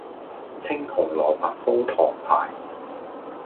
青紅蘿蔔煲唐排